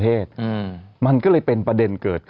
ตอนนี้คือหน้ากากหายยากมาก